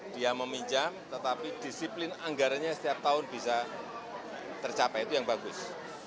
dia meminjam tetapi disiplin anggarannya setiap tahun bisa tercapai itu yang bagus